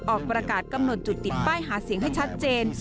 ออกประกาศกำหนดจุดติดป้ายหาเสียงให้ชัดเจน